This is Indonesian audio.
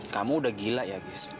kamu udah gila ya gus